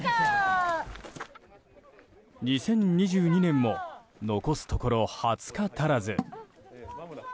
２０２２年も残すところ２０日足らず。